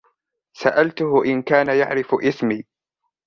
سألته إن كان يعرف إسمي.